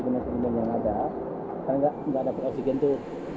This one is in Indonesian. berarti ini yang ada karena tidak ada projegen itu